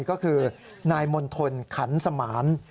ก็คือนายมณฑลขันสมาน